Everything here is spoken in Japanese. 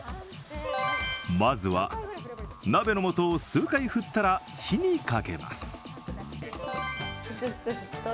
まずは鍋の素を数回、振ったら火にかけます。